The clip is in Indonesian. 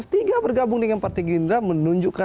setiga bergabung dengan partai gerinda menunjukkan